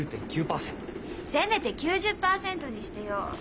せめて９０％にしてよ。